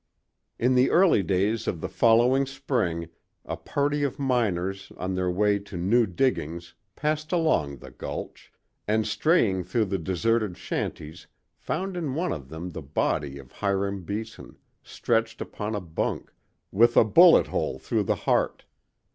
In the early days of the following spring a party of miners on their way to new diggings passed along the Gulch, and straying through the deserted shanties found in one of them the body of Hiram Beeson, stretched upon a bunk, with a bullet hole through the heart.